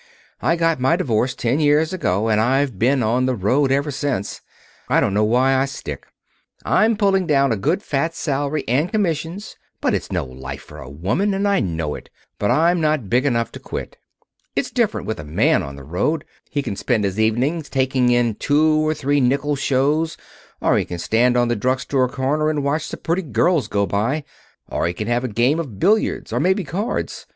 I got my divorce ten years ago, and I've been on the road ever since. I don't know why I stick. I'm pulling down a good, fat salary and commissions, but it's no life for a woman, and I know it, but I'm not big enough to quit. It's different with a man on the road. He can spend his evenings taking in two or three nickel shows, or he can stand on the drug store corner and watch the pretty girls go by, or he can have a game of billiards, or maybe cards.